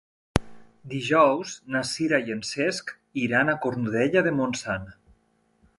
Dijous na Sira i en Cesc iran a Cornudella de Montsant.